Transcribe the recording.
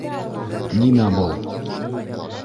Нимә был?